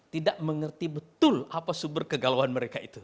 tidak mengerti betul apa sumber kegalauan mereka itu